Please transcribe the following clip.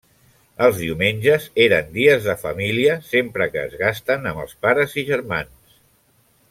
Els diumenges eren dies de família sempre que es gasten amb els pares i germans.